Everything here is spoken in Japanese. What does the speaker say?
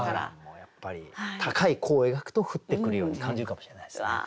やっぱり高い弧を描くと降ってくるように感じるかもしれないですね。